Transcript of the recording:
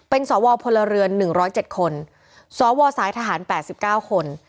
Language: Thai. เป็นสวพลเรือน๑๐๗คนสวสายทหาร๘๙คน